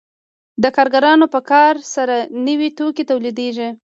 د کارګرانو په کار سره نوي توکي تولیدېږي